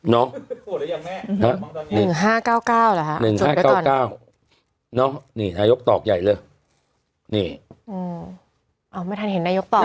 เนาะ๑๕๙๙เหรอคะ๑๕๙๙นี่นายกตอกใหญ่เลยนี่เอาไม่ทันเห็นนายกตอบ